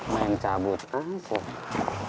main cabut asyik